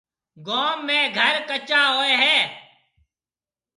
گوم ۾ گهر ڪَچا هوئي هيَ۔